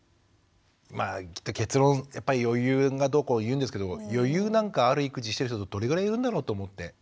まあきっと結論やっぱり余裕がどうこういうんですけど余裕なんかある育児してる人ってどれぐらいいるんだろうと思って。